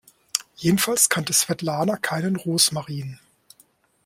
Jedenfalls kannte Svetlana keinen Rosmarin.